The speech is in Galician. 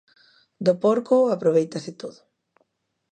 Do porco aprovéitase todo.